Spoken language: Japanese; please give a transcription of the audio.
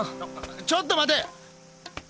ちょっと待て。